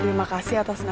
terima kasih atas nama lo